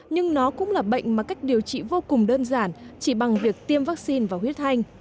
nhưng nó cũng là bệnh mà cách điều trị vô cùng đơn giản chỉ bằng việc tiêm vaccine và huyết thanh